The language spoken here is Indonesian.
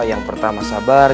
yang pertama sabar